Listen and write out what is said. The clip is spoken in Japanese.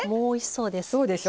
そうでしょ。